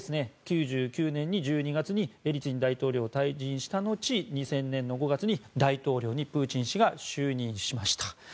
９９年１２月にエリツィン大統領が退陣した後２０００年５月に大統領にプーチン氏が就任しました。